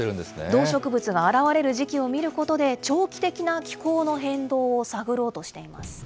動植物が現れる時期を見ることで、長期的な気候の変動を探ろうとしています。